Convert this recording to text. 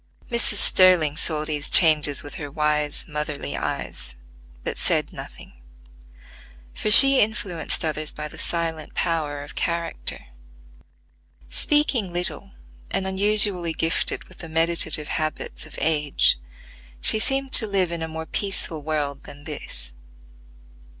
Mrs. Sterling saw these changes with her wise, motherly eyes, but said nothing; for she influenced others by the silent power of character. Speaking little, and unusually gifted with the meditative habits of age, she seemed to live in a more peaceful world than this.